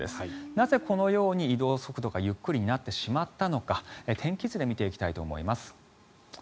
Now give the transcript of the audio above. なぜこのように移動速度がゆっくりになってしまったのか天気図で見ていきたいと思います。